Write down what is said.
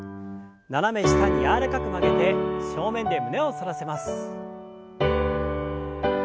斜め下に柔らかく曲げて正面で胸を反らせます。